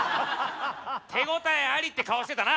手応えありって顔してたな。